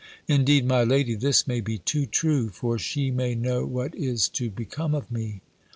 Indeed, my lady, this may be too true; for she may know what is to become of me!